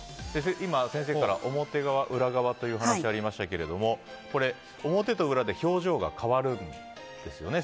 今、先生から表側、裏側という話がありましたがこれ、表と裏で表情が変わるんですよね。